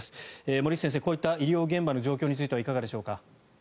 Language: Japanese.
森内先生、こういった医療現場の状況についてはいかがでしょうか？